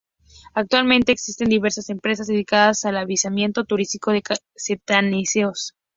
Actualmente, existen diversas empresas dedicadas al avistamiento turístico de cetáceos.